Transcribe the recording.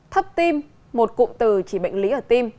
thấp tim một cụm từ chỉ bệnh lý ở tim